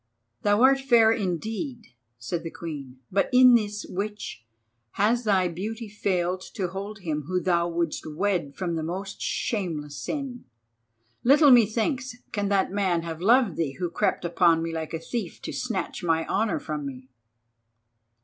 "Thou art fair indeed," said the Queen, "but in this, witch, has thy beauty failed to hold him whom thou wouldst wed from the most shameless sin. Little methinks can that man have loved thee who crept upon me like a thief to snatch my honour from me."